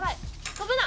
「飛ぶな！」